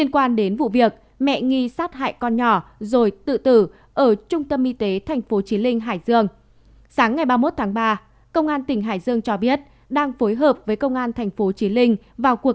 qua đây các bác sĩ cũng khuyến cáo